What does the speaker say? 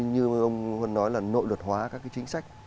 như ông huân nói là nội luật hóa các cái chính sách